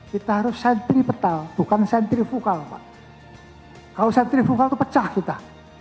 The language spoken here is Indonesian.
kita harus sentripetal bukan sentrifugal kalau sentrifugal itu pecah kita